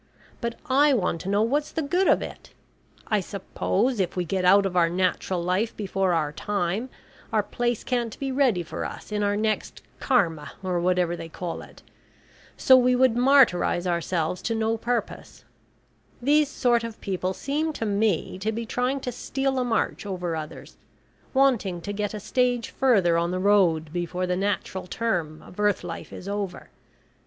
But I want to know what's the good of it? I suppose if we get out of our natural life before our time, our place can't be ready for us in our next Karma, or whatever they call it. So we would martyrise ourselves to no purpose. These sort of people seem to me to be trying to steal a march over others, wanting to get a stage further on the road before the natural term of earth life is over.